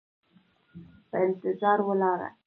په انتظار ولاړه